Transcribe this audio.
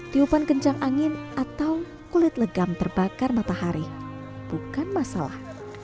tiupan kencang angin atau kulit legam terbakar matahari bukan masalah